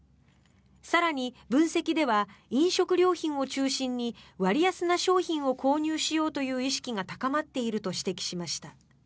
更に、分析では飲食料品を中心に割安な商品を購入しようという意識が高まっていると指摘しました。